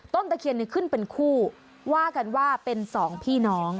ตะเคียนนี้ขึ้นเป็นคู่ว่ากันว่าเป็นสองพี่น้อง